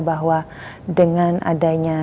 bahwa dengan adanya